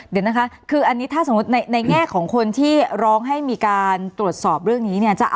เดี๋ยวนะคะคืออันนี้ถ้าสมมุติในแง่ของคนที่ร้องให้มีการตรวจสอบเรื่องนี้เนี่ย